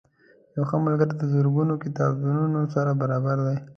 یو ښه ملګری د زرګونو کتابتونونو سره برابر دی.